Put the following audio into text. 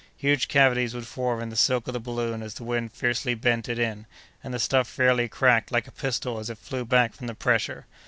Huge cavities would form in the silk of the balloon as the wind fiercely bent it in, and the stuff fairly cracked like a pistol as it flew back from the pressure.